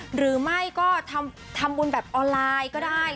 หรือไม่ก็ทำบุญแบบออนไลน์ก็ได้